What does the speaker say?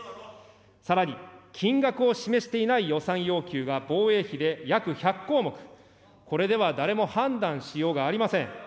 さらに、金額を示していない予算要求が防衛費で約１００項目、これでは誰も判断しようがありません。